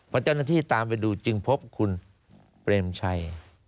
พอเจ้าหน้าที่ตามไปดูจึงพบคุณเปรมชัย